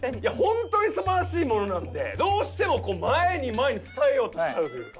本当に素晴らしいものなんでどうしても前に前に伝えようとしちゃうというか。